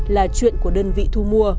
là chuyện của đơn vị thu mua